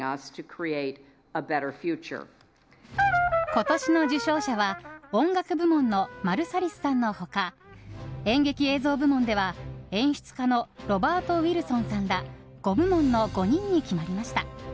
今年の受賞者は音楽部門のマルサリスさんの他演劇・映像部門では演出家のロバート・ウィルソンさんら５部門の５人に決まりました。